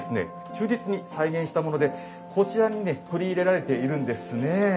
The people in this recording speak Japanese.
忠実に再現したものでこちらにね取り入れられているんですね。